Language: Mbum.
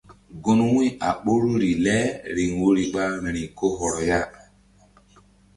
Gun wu̧y a ɓoruri le riŋ woyri ɓa vbi̧ri ko hɔrɔ ya.